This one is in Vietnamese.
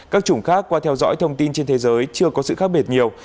các chủng khác qua theo dõi thông tin trên thế giới chưa có sự khác biệt nhiều